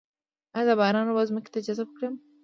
آیا د باران اوبه ځمکې ته جذب کړم؟